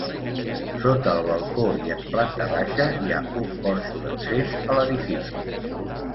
Sota el balcó i en planta baixa hi ha un porxo d'accés a l'edifici.